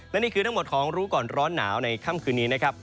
และนี่คือทั้งหมดของรู้ก่อนร้อนหนาวในค่ำคืนนี้นะครับ